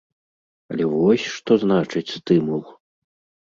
Але вось што значыць стымул!